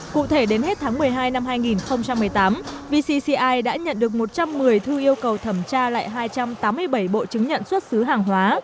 cụ thể đến hết tháng một mươi hai năm hai nghìn một mươi tám vcci đã nhận được một trăm một mươi thư yêu cầu thẩm tra lại hai trăm tám mươi bảy bộ chứng nhận xuất xứ hàng hóa